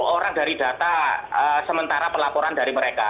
dua ratus lima puluh orang dari data sementara pelaporan dari mereka